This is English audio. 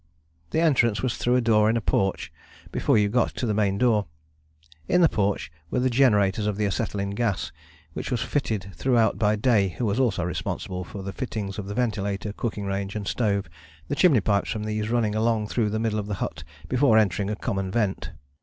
The entrance was through a door in a porch before you got to the main door. In the porch were the generators of the acetylene gas, which was fitted throughout by Day, who was also responsible for the fittings of the ventilator, cooking range, and stove, the chimney pipes from these running along through the middle of the hut before entering a common vent.